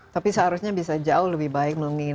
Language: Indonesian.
tapi seharusnya bisa jauh lebih baik mungkin